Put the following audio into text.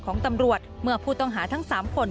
ของตำรวจเมื่อผู้ต้องหาทั้ง๓คน